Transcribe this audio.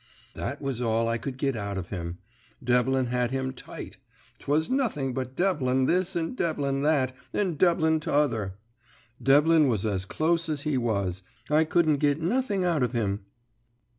"That was all I could git out of him. Devlin had him tight; 'twas nothing but Devlin this, and Devlin that, and Devlin t'other. Devlin was as close as he was; I couldn't git nothing out of him.